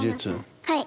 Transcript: はい。